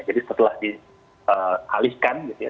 jadi setelah dihalihkan gitu ya